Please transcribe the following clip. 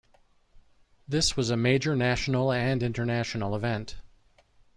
This was a major national and international event.